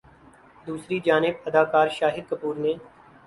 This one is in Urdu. دوسری جانب اداکار شاہد کپور نے